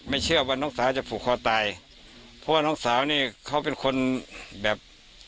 เชื่อว่าน้องสาวจะผูกคอตายเพราะว่าน้องสาวนี่เขาเป็นคนแบบ